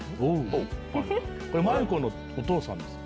これ万由子のお父さんです。